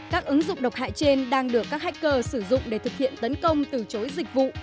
các ứng dụng độc hại trên đang được các hacker sử dụng để thực hiện tấn công từ chối dịch vụ